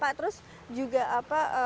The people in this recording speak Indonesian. pak terus juga apa